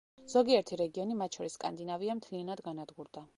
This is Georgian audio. ზოგიერთი რეგიონი, მათ შორის სკანდინავია მთლიანად განადგურდა.